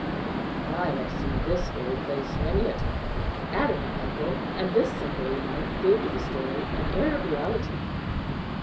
'I have seen this very place many a time,' added my uncle, and this simple remark gave to the story an air of reality.